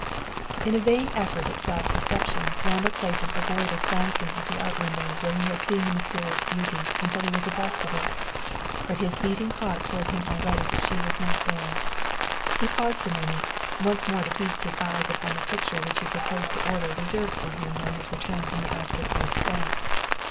In a vain effort at self deception Randall Clayton avoided glancing at the art window where he had seen the mysterious beauty until he was abreast of it. But his beating heart told him already that she was not there. He paused a moment, once more to feast his eyes upon the picture which he proposed to order reserved for him on his return from the Astor Place Bank.